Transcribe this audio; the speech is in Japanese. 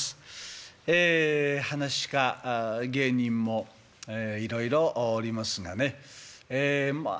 ええ噺家芸人もいろいろおりますがねええま